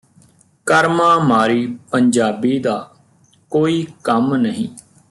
ਕਰਮਾਂ ਮਾਰੀ ਪੰਜਾਬੀ ਦਾ ਕੋਈ ਕੰਮ ਨਹੀਂ